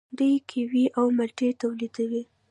دوی کیوي او مالټې تولیدوي.